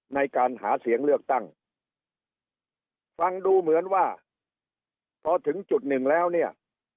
ในการหาเสียงเลือกตั้งฟังดูเหมือนว่าพอถึงจุดหนึ่งแล้วเนี่ย